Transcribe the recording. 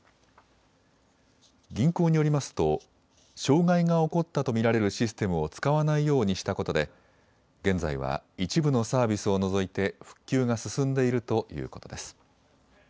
銀行によりますと障害が起こったと見られるシステムを使わないようにしたことで現在は一部のサービスを除いて復旧が進んでいるということです。